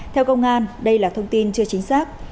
theo công an đây là thông tin chưa chính xác